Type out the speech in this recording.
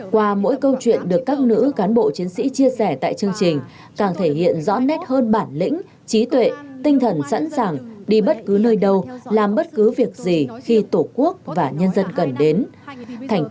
qua mỗi câu chuyện được các nữ cán bộ chiến sĩ chia sẻ tại chương trình càng thể hiện rõ nét hơn bản lĩnh trí tuệ tinh thần sẵn sàng đi bất cứ nơi đâu làm bất cứ việc gì khi tổ quốc và nhân dân cần đến